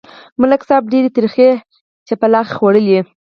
ملک صاحب ډېرې ترخې څپېړې خوړلې.